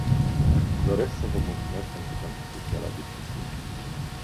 Doresc să vă mulțumesc pentru contribuția la discuție.